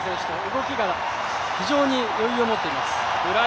動きが余裕を持っています。